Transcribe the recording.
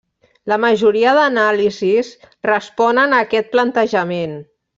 La majoria d'anàlisis responen a aquest plantejament.